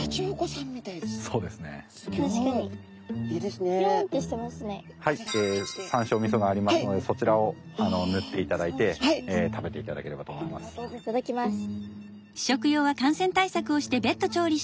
山椒みそがありますのでそちらをぬっていただいて食べていただければと思います。